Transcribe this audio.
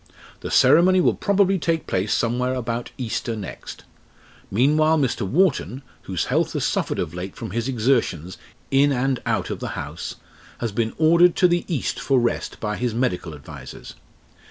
The ceremony will probably take place somewhere about Easter next. Meanwhile Mr. Wharton, whose health has suffered of late from his exertions in and out of the House, has been ordered to the East for rest by his medical advisers.